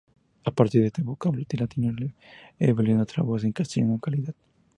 A partir de este vocablo latino evoluciona otra voz en castellano: calidad.